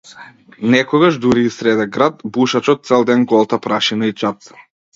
Некогаш дури и среде град бушачот цел ден голта прашина и чад.